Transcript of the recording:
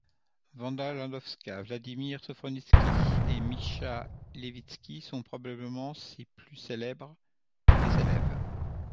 Wanda Landowska, Vladimir Sofronitsky et Mischa Levitzki sont probablement ses plus célèbres des élèves.